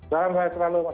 salam sehat selalu mas